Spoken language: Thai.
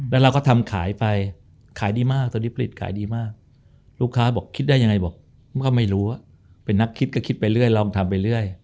แล้วเราก็ทำขายไปขายดีมากตอนนี้ผลิตขายดีมากลูกค้าบอกคิดได้ยังไงบอกก็ไม่รู้ว่าเป็นนักคิดก็คิดไปเรื่อยลองทำไปเรื่อย